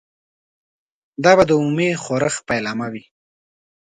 دا به د عمومي ښورښ پیلامه وي.